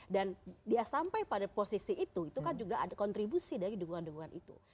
dan dia sampai pada posisi itu itu kan juga ada kontribusi dari dukungan dukungan itu